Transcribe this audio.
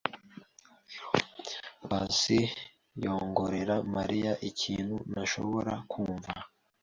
Paccy yongorera Mariya ikintu ntashobora kumva.